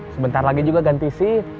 sebentar lagi juga ganti si